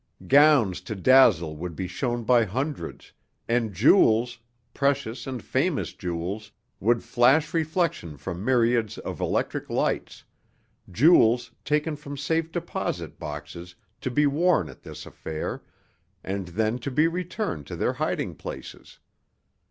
Gowns to dazzle would be shown by hundreds, and jewels—precious and famous jewels—would flash reflection from myriads of electric lights—jewels taken from safe deposit boxes to be worn at this affair, and then to be returned to their hiding places.